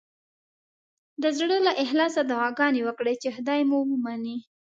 د زړه له اخلاصه دعاګانې وکړئ چې خدای مو ومني.